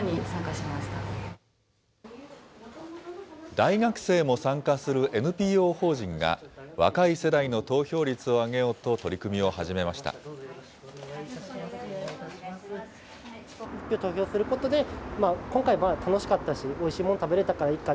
大学生も参加するＮＰＯ法人が、若い世代の投票率を上げようと取り組みを始めました。